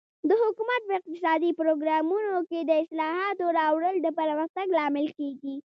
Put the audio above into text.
د حکومت په اقتصادي پروګرامونو کې د اصلاحاتو راوړل د پرمختګ لامل کیږي.